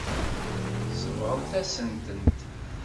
Tsebɣem-asen-tent.